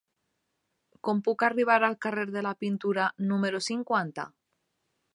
Com puc arribar al carrer de la Pintura número cinquanta?